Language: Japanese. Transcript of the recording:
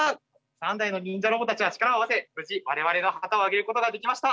３台の忍者ロボたちは力を合わせ無事我々の旗をあげることができました。